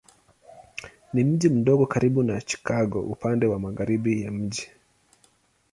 Ni mji mdogo karibu na Chicago upande wa magharibi ya mji.